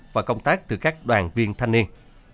và công tác từ các đoàn viên thanh niên